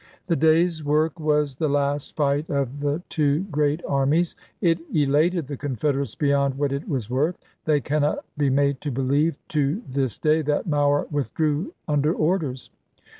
The day's work was the last fight of the two great armies ; it elated the Confederates beyond what it was worth ; they cannot be made to believe, to this day, that Mower withdrew under orders.